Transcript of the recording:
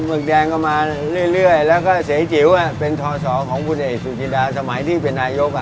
หึกแดงก็มาเรื่อยแล้วก็เสจิ๋วเป็นทศของคุณเอกสุจิดาสมัยที่เป็นนายก